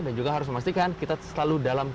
dan juga harus memastikan kita selalu